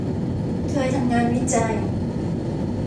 เคยทำงานวิจัย